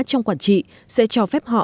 trong quản trị sẽ cho phép họ